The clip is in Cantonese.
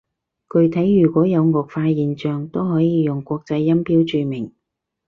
具體如果有顎化現象，都可以用國際音標注明